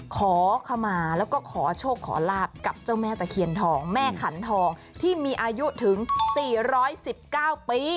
ขอขมาแล้วก็ขอโชคขอลาบกับเจ้าแม่ตะเคียนทองแม่ขันทองที่มีอายุถึง๔๑๙ปี